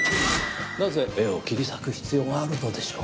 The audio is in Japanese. なぜ絵を切り裂く必要があるのでしょう？